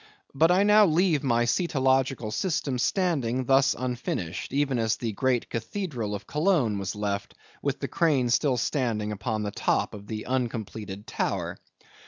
But I now leave my cetological System standing thus unfinished, even as the great Cathedral of Cologne was left, with the crane still standing upon the top of the uncompleted tower.